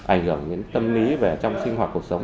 ảnh hưởng đến tâm lý về trong sinh hoạt cuộc sống